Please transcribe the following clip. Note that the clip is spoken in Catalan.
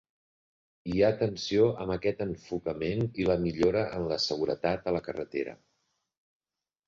Hi ha tensió amb aquest enfocament i la millora en la seguretat a la carretera.